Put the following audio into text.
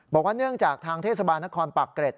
เนื่องจากทางเทศบาลนครปากเกร็ด